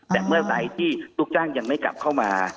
แต่เมื่อไหร่ที่ลูกจ้างยังไม่กลับเข้ามา